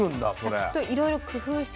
きっといろいろ工夫して。